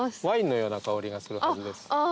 ワインのような香りがするはずです。